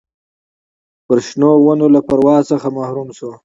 پر شنو ونو له پرواز څخه محروم سو